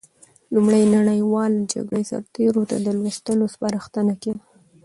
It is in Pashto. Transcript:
لومړۍ نړیواله جګړه سرتېرو ته د لوستلو سپارښتنه کېده.